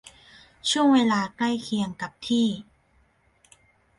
ช่วงเวลาใกล้เคียงกับที่